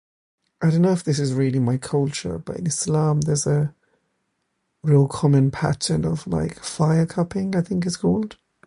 I don't know if this is really my culture, but in Islam there's a real common pattern of like fire cupping I think it's called.